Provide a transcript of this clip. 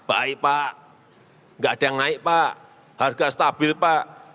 baik pak nggak ada yang naik pak harga stabil pak